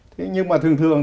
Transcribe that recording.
thế nhưng mà thường thường